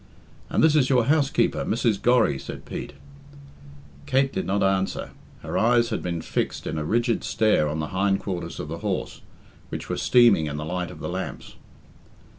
"And this is your housekeeper, Mrs. Gorry," said Pete. Kate did not answer. Her eyes had been fixed in a rigid stare on the hind quarters of the horse, which were steaming in the light of the lamps.